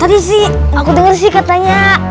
tadi sih aku denger katanya